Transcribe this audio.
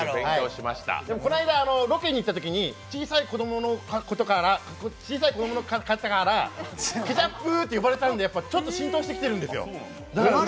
この間、ロケに行ったときに小さい子供子供からケチャップーって呼ばれたんでちょっと浸透してきているんですよ。